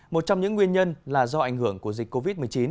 một trong những nguyên nhân là do ảnh hưởng của dịch covid một mươi chín